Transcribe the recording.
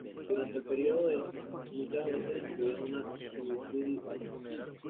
Durante el período Edo, muchas dotes incluían una Suzuri-bako.